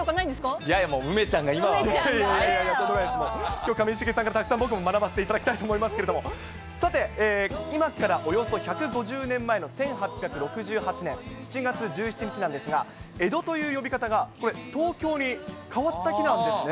きょう上重さんからたくさん僕も学ばせていただきたいと思いますが、さて、今からおよそ１５０年前の１８６８年、７月１７日なんですが、江戸という呼び方がこれ東京に変わった日なんですね。